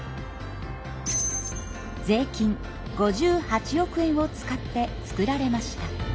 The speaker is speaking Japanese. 税金５８億円を使って作られました。